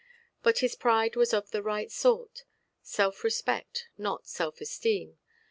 But his pride was of the right sort—self–respect, not self–esteem.